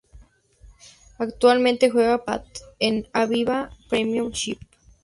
Actualmente juega para el Bath en la Aviva Premiership.